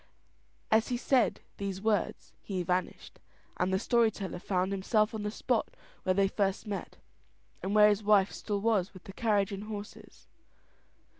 As he said these words he vanished; and the story teller found himself on the spot where they first met, and where his wife still was with the carriage and horses.